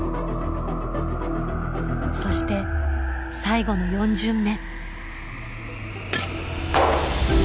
そして最後の４巡目。